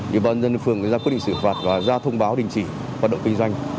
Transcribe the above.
như bà nhân phường đã ra quyết định xử phạt và ra thông báo đình chỉ hoạt động kinh doanh